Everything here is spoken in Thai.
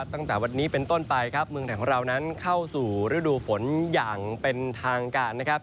ตั้งแต่วันนี้เป็นต้นไปครับเมืองไทยของเรานั้นเข้าสู่ฤดูฝนอย่างเป็นทางการนะครับ